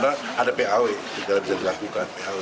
sampai disebut lumpuh sebenarnya tidak lumpuh karena ada paw